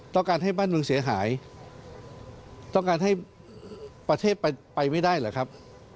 ต้องการให้บ้านเมืองเสียหายต้องการให้ประเทศไปไม่ได้เหรอครับ